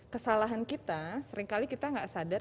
kesalahan kita seringkali kita nggak sadar